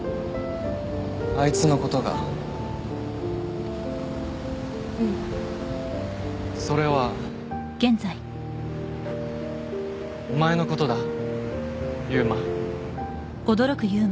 あいつのことがうんそれはお前のことだ悠馬